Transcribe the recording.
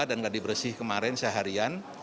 dan geladi bersih kemarin seharian